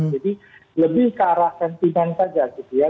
jadi lebih ke arah sentimen saja gitu ya